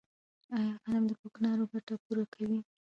آیا غنم د کوکنارو ګټه پوره کوي؟